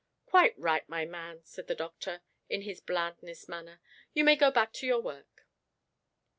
"Quite right, my man," said the doctor, in his blandest manner. "You may go back to your work."